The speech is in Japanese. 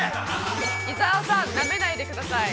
伊沢さん、なめないでください。